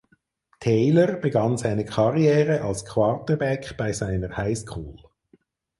Taylor begann seine Karriere als Quarterback bei seiner Highschool.